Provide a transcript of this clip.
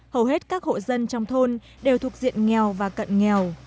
hầu hết các hộ dân trong thôn đều thuộc diện nghèo và cận nghèo